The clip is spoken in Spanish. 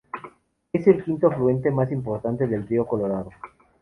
Es el quinto afluente más importante del río Colorado.